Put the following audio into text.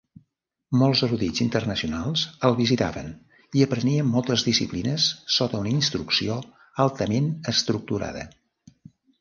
Molts erudits internacionals el visitaven i aprenien moltes disciplines sota una instrucció altament estructurada.